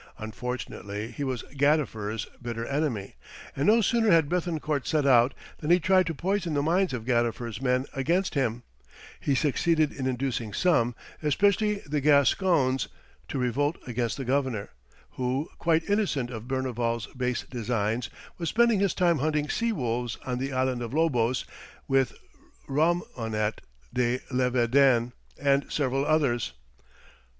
Unfortunately he was Gadifer's bitter enemy, and no sooner had Béthencourt set out than he tried to poison the minds of Gadifer's men against him; he succeeded in inducing some, especially the Gascons, to revolt against the governor, who, quite innocent of Berneval's base designs, was spending his time hunting sea wolves on the island of Lobos with Remonnet de Levéden and several others.